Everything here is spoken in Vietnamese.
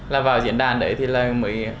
là vào diễn đàn đấy thì mới